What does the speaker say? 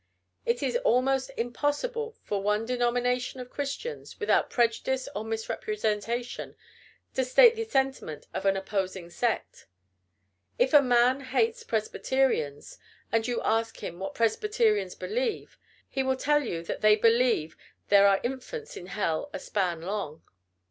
It is almost impossible for one denomination of Christians, without prejudice or misrepresentation, to state the sentiment of an opposing sect. If a man hates Presbyterians, and you ask him what Presbyterians believe, he will tell you that they believe that there are infants in hell a span long.